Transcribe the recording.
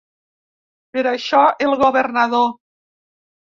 Per això, el governador